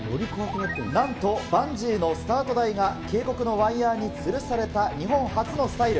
なんとバンジーのスタート台が渓谷のワイヤーにつるされた日本初のスタイル。